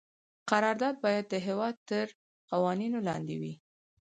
قرارداد باید د هیواد تر قوانینو لاندې وي.